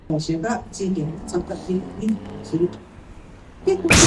The angel was blowing the horn.